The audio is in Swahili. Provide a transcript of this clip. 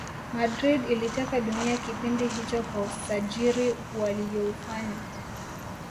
Madrid iliteka dunia kipindi hicho kwa usajiri waliyoufanya